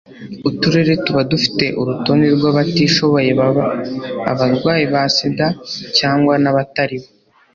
uturere tuba dufite urutonde rw'abatishoboye baba abarwayi ba sida cyangwa n'abatari bo